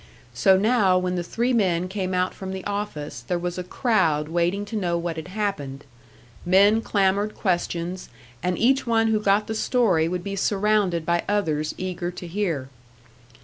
So now when the three men came out from the office, there was a crowd waiting to know what had happened; men clamoured questions, and each one who got the story would be surrounded by others eager to hear.